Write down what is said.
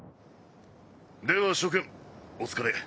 では諸君お疲れ。